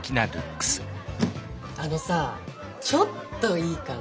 あのさちょっといいかな。